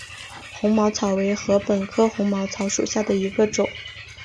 红毛草为禾本科红毛草属下的一个种。